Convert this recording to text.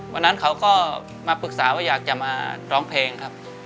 วันนั้นเขาก็มาปรึกษาว่าอยากจะมาร้องเพลงครับ